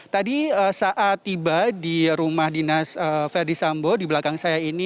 tadi saat tiba di rumah dinas verdi sambo di belakang saya ini